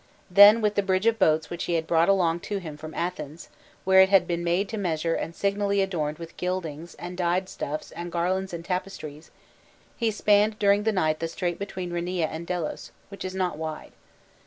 Then, with the bridge of boats which he had brought along with him from Athens, where it had been made to measure and signally adorned with gildings and dyed stuffs and garlands and tapestries, he spanned during the night the strait between Rheneia and Delos, which is not wide.